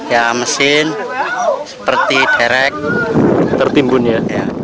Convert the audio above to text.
ya mesin seperti derek tertimbun ya